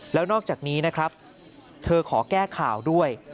แล้วนอกจากนี้นะครับเธอขอแก้ข่าวด้วย